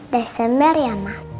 desember ya ma